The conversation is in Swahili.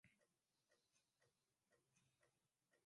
punde unapoacha tu kutumia dalili zifuatazo hutokea